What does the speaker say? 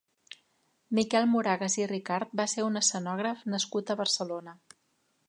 Miquel Moragas i Ricart va ser un escenògraf nascut a Barcelona.